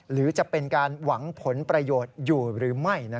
หรือจะเป็นการหวังผลประโยชน์อยู่หรือไม่